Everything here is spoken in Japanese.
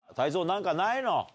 何かないの？